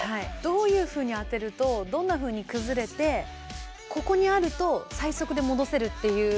どういうふうに当てるとどんなふうに崩れてここにあると最速で戻せるっていう。